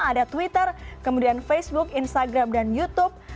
ada twitter kemudian facebook instagram dan youtube